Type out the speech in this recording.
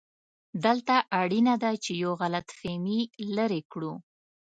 دلته اړینه ده چې یو غلط فهمي لرې کړو.